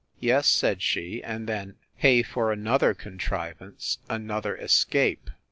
Yes, said she, and then, hey for another contrivance, another escape!